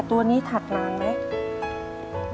ตัวนี้ถัดนานไหม